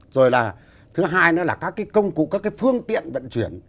rồi là thứ hai nữa là các cái công cụ các cái phương tiện vận chuyển